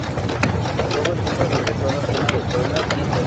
Al poco tiempo regresó a la zona de Puebla y Tlaxcala.